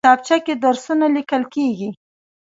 کتابچه کې درسونه لیکل کېږي